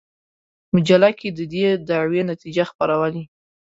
مجله کې د دې دعوې نتیجې خپرولې.